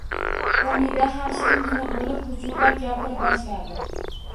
Umida ham shiringina bo`lib g`ujurlab gapira boshladi